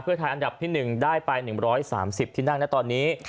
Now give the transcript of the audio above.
เพื่อไทยอันดับที่๑ได้ไป๑๓๐ที่นั่งนะตอนนี้